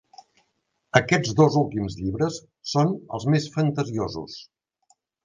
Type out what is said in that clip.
Aquests dos últims llibres són els més fantasiosos.